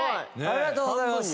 ありがとうございます。